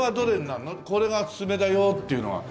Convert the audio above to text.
「これがおすすめだよ」っていうのは。